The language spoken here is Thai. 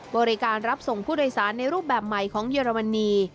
บริการรับส่งผู้โดยสารในรูปแบบใหม่ของเยอรมนี